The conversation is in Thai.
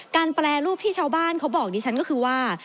แปรรูปที่ชาวบ้านเขาบอกดิฉันก็คือว่า